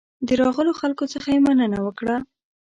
د راغلو خلکو څخه یې مننه وکړه.